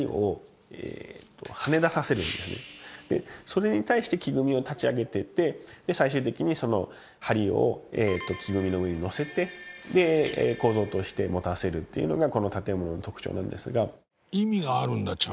それに対して木組みを立ち上げていって最終的に梁を木組みの上にのせて構造として持たせるっていうのがこの建ものの特徴なんですが。